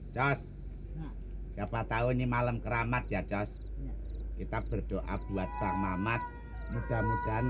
jos siapa tahu ini malam keramat ya jos kita berdoa buat bang mamat mudah mudahan